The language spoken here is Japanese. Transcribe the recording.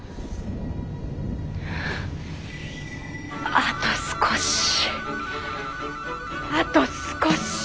あと少しあと少し。